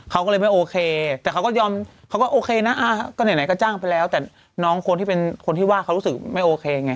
เขาก็เลยไม่โอเคแต่เขาก็ยอมเขาก็โอเคนะก็ไหนก็จ้างไปแล้วแต่น้องคนที่เป็นคนที่ว่าเขารู้สึกไม่โอเคไง